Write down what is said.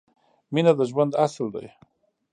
مینه د ژوند اصل ده